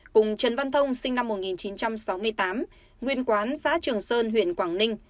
cùng trần văn thông sinh năm một nghìn chín trăm sáu mươi tám nguyên quán xã trường sơn huyện quảng ninh